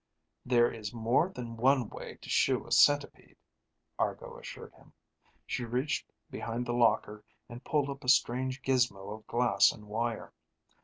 "There is more than one way to shoe a centipede," Argo assured him. She reached behind the locker and pulled up a strange gizmo of glass and wire.